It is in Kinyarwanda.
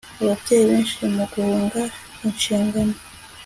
Ababyeyi benshi mu guhunga inshingano